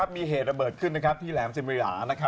มีเหตุระเบิดขึ้นนะครับที่แหลมสิมริหา